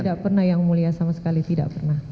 tidak pernah yang mulia sama sekali tidak pernah